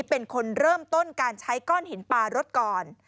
เป็นคนเริ่มต้นการใช้ก้อนหินปลารถก่อน